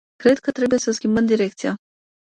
Cred că trebuie să schimbăm direcția.